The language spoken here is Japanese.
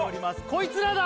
こいつらだ！